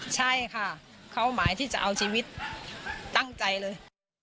ใช่ค่ะเขาหมายที่จะเอาชีวิตตั้งใจเลย